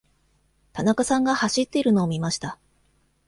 田中さんが走っているのを見ました。